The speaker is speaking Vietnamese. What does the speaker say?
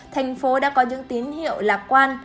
tp hcm đã có những tín hiệu lạc quan